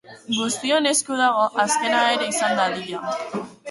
Guztion esku dago azkena ere izan dadila.